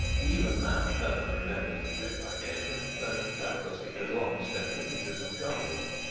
Even now Hermann remembers the grip I gave him though doubtless he has long spent the pieces of gold.